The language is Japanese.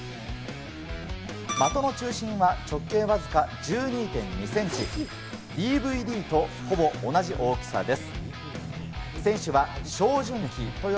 的の中心は直径わずか１２．２ｃｍ、ＤＶＤとほぼ同じ大きさです。